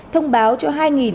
thông báo cho hai hai trăm linh